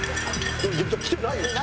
いや来てないよ！